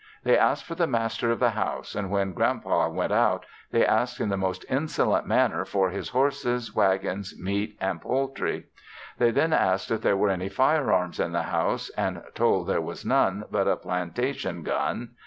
They asked for the master of the house, and when Grand Pa went out, they asked in the most insolent manner for his horses, wagons, meat and poultry. They then asked if there were any fire arms in the house, and told there was none but a plantation gun.